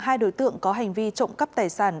hai đối tượng có hành vi trộm cắp tài sản